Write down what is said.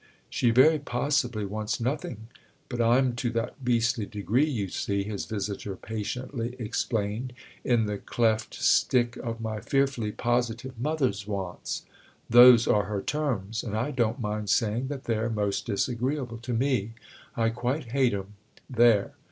"She very possibly wants nothing—but I'm to that beastly degree, you see," his visitor patiently explained, "in the cleft stick of my fearfully positive mother's wants. Those are her 'terms,' and I don't mind saying that they're most disagreeable to me—I quite hate 'em: there!